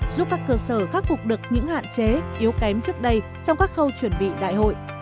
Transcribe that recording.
giúp các cơ sở khắc phục được những hạn chế yếu kém trước đây trong các khâu chuẩn bị đại hội